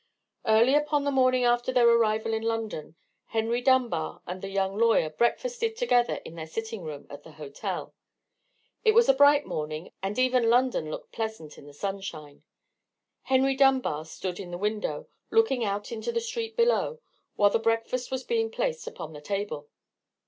Early upon the morning after their arrival in London, Henry Dunbar and the young lawyer breakfasted together in their sitting room at the hotel. It was a bright morning, and even London looked pleasant in the sunshine. Henry Dunbar stood in the window, looking out into the street below, while the breakfast was being placed upon the table.